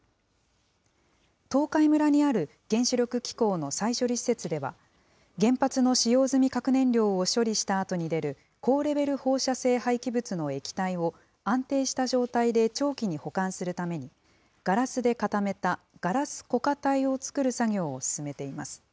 東海村にある原子力機構の再処理施設では、原発の使用済み核燃料を処理したあとに出る高レベル放射性廃棄物の液体を安定した状態で長期に保管するためにガラスで固めたガラス固化体を作る作業を進めています。